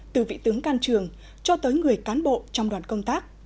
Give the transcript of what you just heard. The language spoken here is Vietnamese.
từ vị tướng can trường cho tới người cán bộ trong đoàn công tác